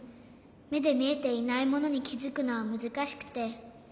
めでみえていないものにきづくのはむずかしくて。